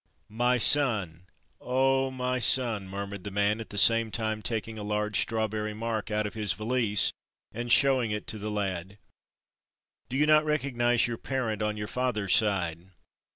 "My son! oh, my son!" murmured the man, at the same time taking a large strawberry mark out of his valise and showing it to the lad. "Do you not recognize your parent on your father's side?